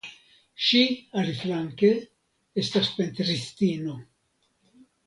Ŝi aliflanke estas pentristino.